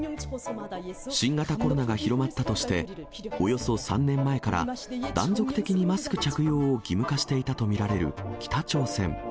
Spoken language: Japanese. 新型コロナが広まったとして、およそ３年前から断続的にマスク着用を義務化していたと見られる北朝鮮。